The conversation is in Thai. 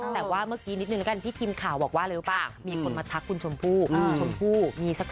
หรือลูกสาวหรือสักคนนึกว่ามันติดอยู่ในใจ